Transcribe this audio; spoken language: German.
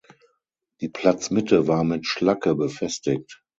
Die Platzmitte war mit Schlacke befestigt.